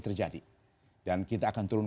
terjadi dan kita akan turun